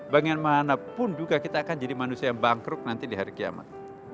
bagaimanapun juga kita akan jadi manusia yang bangkrut nanti di hari kiamat